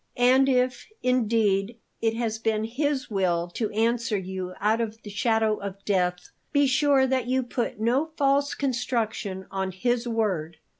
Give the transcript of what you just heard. And if, indeed, it has been His will to answer you out of the shadow of death, be sure that you put no false construction on His word.